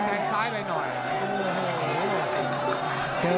แล้วทีมงานน่าสื่อ